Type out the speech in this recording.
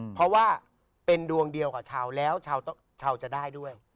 เพราะว่าเป็นดวงเดียวกับชาวแล้วชาวจะได้ด้วย